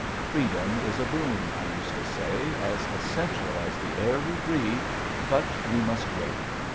Freedom is a boon, I used to say, as essential as the air we breathe, but we must wait.